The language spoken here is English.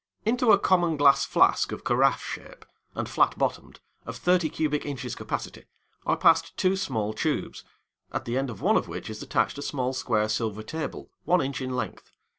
Into a common glass flask of carafe shape, and flat bottomed, of 30 cubic inches capacity, are passed two small tubes, at the end of one of which is attached a small square silver table, 1 inch in length.